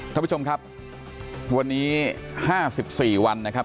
ครับผู้ชมครับวันนี้ห้าสิบสี่วันนะครับ